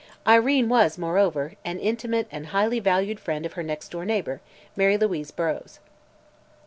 Irene was, moreover, an intimate and highly valued friend of her next door neighbor, Mary Louise Burrows.